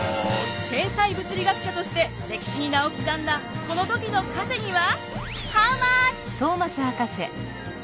天才物理学者として歴史に名を刻んだこの時の稼ぎは？